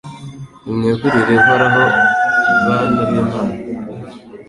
Nimwegurire Uhoraho bana b’Imana